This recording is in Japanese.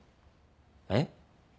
えっ？